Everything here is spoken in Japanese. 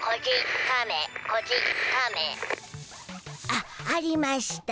あっありましゅた。